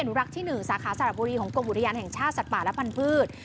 นุรักษ์ที่๑สาขาสระบุรีของกรมอุทยานแห่งชาติสัตว์ป่าและพันธุ์